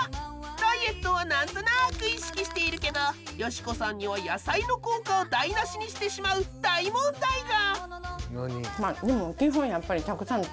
ダイエットは何となく意識しているけど美子さんには野菜の効果を台なしにしてしまう大問題が！